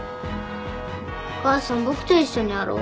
お母さん僕と一緒にやろう。